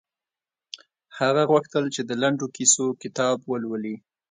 هغه غوښتل چې د لنډو کیسو کتاب ولولي